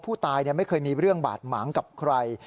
ผู้ตายไม่เคยมีเรื่องบาดหมางกับใคร